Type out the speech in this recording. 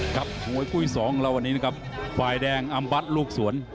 ครับมวยกุ้ยสองเราวันนี้นะครับวายแดงอำบัดลูกสวน